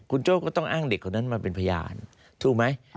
คุณโจ้ก็ต้องอ้างเด็กคนนั้นมาเป็นพยานถูกไหม